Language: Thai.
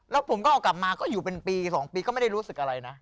แล้วผมก็เอากลับมาก็อยู่เป็นปี๒ปีก็ไม่ได้รู้สึกอะไรนะ